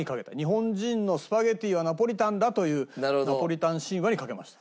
日本人のスパゲティはナポリタンだというナポリタン神話にかけました。